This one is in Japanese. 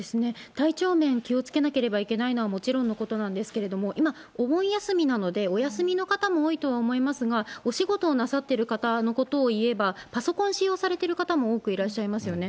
体調面気をつけなければいけないのはもちろんのことなんですけれども、今、お盆休みなので、お休みの方も多いとは思いますが、お仕事をなさってる方のことをいえば、パソコン使用されてる方も多くいらっしゃいますよね。